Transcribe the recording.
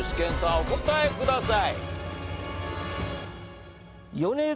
お答えください。